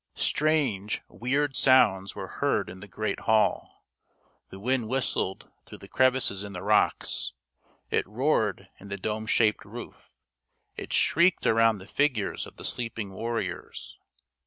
Strange, weird sounds were heard in the great hall. The wind whistled through the crevices in the rocks; it roared in the dome shaped roof; it shrieked around the figures of the sleeping war riors.